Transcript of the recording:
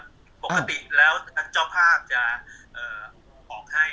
ปกติแล้วเจ้าภาพจะมองให้